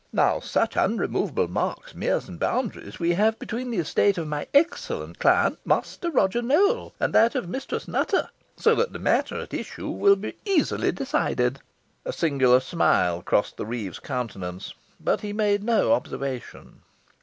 Now, such unremoveable marks, meres, and boundaries we have between the estate of my excellent client, Master Roger Nowell, and that of Mistress Nutter, so that the matter at issue will be easily decided." A singular smile crossed the reeve's countenance, but he made no observation.